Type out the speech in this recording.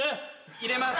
入れます。